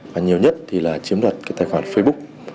và nhiều nhất thì là chiếm đoạt cái tài khoản facebook